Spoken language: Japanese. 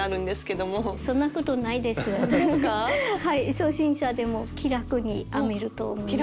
初心者でも気楽に編めると思いますよ。